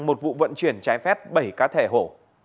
một vụ vận chuyển trái phép bảy cá thể hổ